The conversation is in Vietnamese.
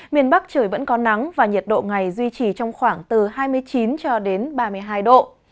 miền bắc trời vẫn có nắng và nhiệt độ ngày duy trì trong khoảng từ hai mươi chín cho đến ba mươi hai độ